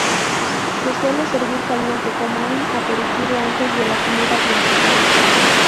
Se suele servir caliente como un aperitivo antes de la comida principal.